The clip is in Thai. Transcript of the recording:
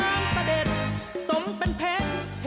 น้ำน้ำสะเด็ดสมเป็นเพชรเหตุ